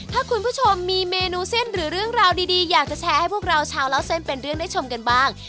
ถ้าคุณผู้ชมมีเมนูเส้นหรือเรื่องราวดีอยากจะแชร์ให้พวกเราชาวเล่าเส้นเป็นเรื่องได้ชมกันบ้าง